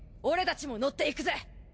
俺たちも乗っていくぜ。